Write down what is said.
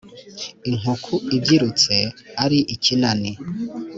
Inkuku ibyirutse ari ikinani;